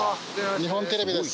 日本テレビです